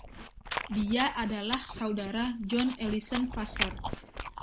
Dia adalah saudara John Ellison Vassar.